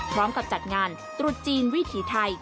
พร้อมกับจัดงานตรุษจีนวิถีไทย